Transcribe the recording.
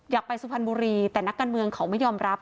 ไปสุพรรณบุรีแต่นักการเมืองเขาไม่ยอมรับ